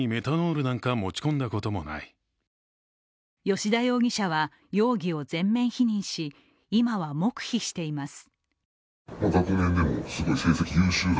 吉田容疑者は、容疑を全面否認し今は黙秘しています。